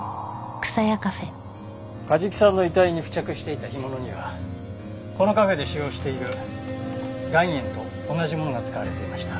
梶木さんの遺体に付着していた干物にはこのカフェで使用している岩塩と同じものが使われていました。